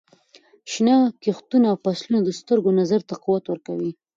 شنه کښتونه او فصلونه د سترګو نظر ته قوت ورکوي.